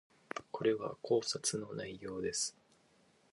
これは考察の内容です